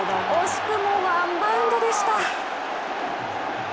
惜しくもワンバウンドでした。